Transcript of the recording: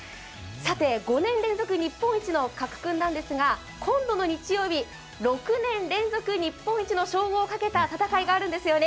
５年連続日本一の加来君ですが今度の日曜日、６年連続日本一の称号をかけた戦いがあるんですよね。